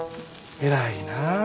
偉いなぁ。